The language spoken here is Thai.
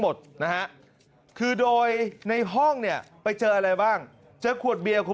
หมดนะฮะคือโดยในห้องเนี่ยไปเจออะไรบ้างเจอขวดเบียร์ของ